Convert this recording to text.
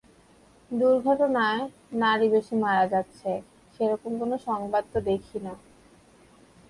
দুর্ঘটনায় নারী বেশি মারা যাচ্ছে—সে রকম কোনো সংবাদও তো দেখি না।